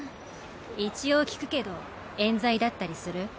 一応聞くけど冤罪だったりする？